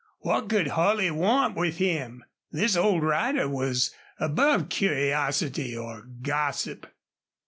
What could Holley want with him? This old rider was above curiosity or gossip.